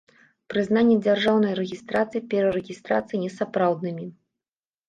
Прызнанне дзяржаўнай рэгiстрацыi, перарэгiстрацыi несапраўднымi